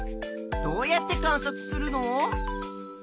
どうやって観察するの？